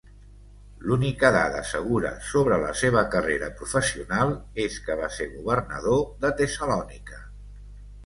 L'única dada segura sobre la seva carrera professional és que va ser governador de Tessalònica.